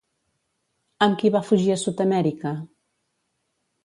Amb qui va fugir a Sud-amèrica?